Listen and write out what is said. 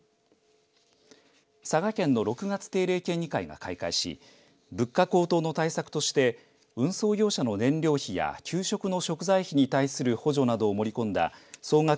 佐賀県の６月定例県議会が開会し物価高騰の対策として運送業者の燃料費や給食の食材費に対する補助などを盛り込んだ総額